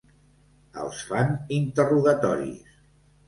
Els fan interrogatoris.